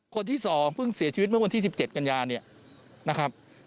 คนที่๒เพิ่งเสียชีวิตเมื่อวันที่๑๗กันยาเนี่ยนะครับ